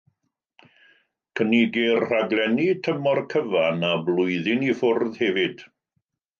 Cynigir rhaglenni tymor cyfan a blwyddyn i ffwrdd hefyd.